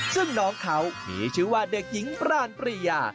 ซึ่งน้องเขามีชื่อว่าเด็กหญิงปรานปริยา